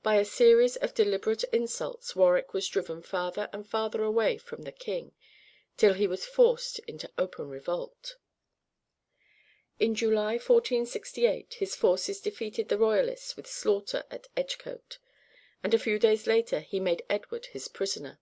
By a series of deliberate insults Warwick was driven farther and farther away from the king, till he was forced into open revolt. In July, 1468, his forces defeated the royalists with great slaughter at Edgecote, and a few days later he made Edward his prisoner.